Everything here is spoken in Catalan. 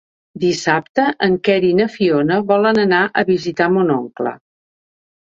Dissabte en Quer i na Fiona volen anar a visitar mon oncle.